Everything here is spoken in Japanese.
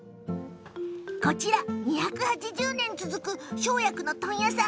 こちら、２８０年続く生薬の問屋さん。